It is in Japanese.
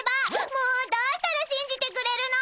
もうどうしたらしんじてくれるの？